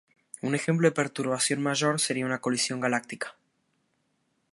Un ejemplo de perturbación mayor sería una colisión galáctica.